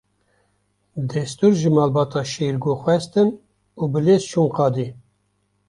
Destûr ji malbata Şêrgo xwestin û bi lez çûn qadê.